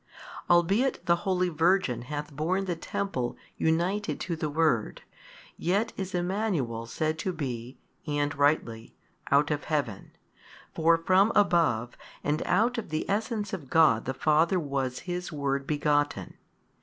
Albeit the holy Virgin hath borne the Temple united to the Word, yet is Emmanuel said to be (and rightly) out of heaven, for from above and out of the Essence of God the Father was His Word begotten.